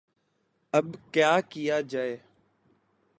اب کیا کیا جائے؟